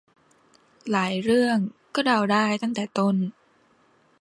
หลายเรื่องก็เดาได้ตั้งแต่ต้น